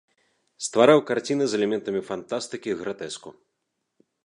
Ствараў карціны з элементамі фантастыкі і гратэску.